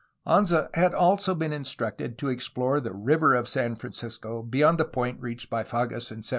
Anza had also been instructed to explore the River of San Francisco beyond the point reached by Fages in 1772.